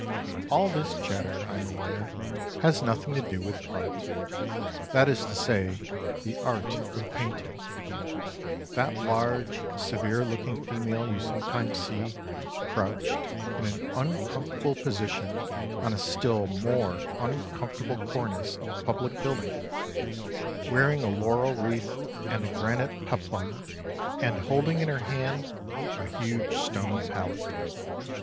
All this chatter, I am aware, has nothing to do with Art, that is to say the "Art of Painting"; that large, severe looking female you sometimes see crouched in an uncomfortable position on a still more uncomfortable cornice of a public building, wearing a laurel wreath and a granite peplum, and holding in her hand a huge stone palette.